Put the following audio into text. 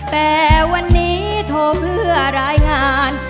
แต่วันนี้โทรเพื่อรายงาน